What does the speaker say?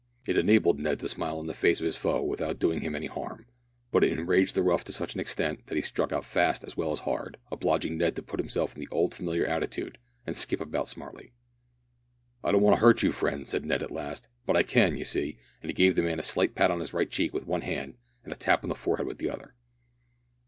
It enabled Ned to smile in the face of his foe without doing him any harm. But it enraged the rough to such an extent, that he struck out fast as well as hard, obliging Ned to put himself in the old familiar attitude, and skip about smartly. "I don't want to hurt you, friend," said Ned at last, "but I can, you see!" and he gave the man a slight pat on his right cheek with one hand and a tap on the forehead with the other.